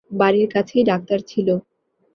বাড়ির কাছেই ডাক্তার ছিল।